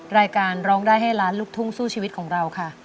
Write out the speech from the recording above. รายการร้องได้ให้ล้านลูกทุ่งสู้ชีวิตของเราค่ะ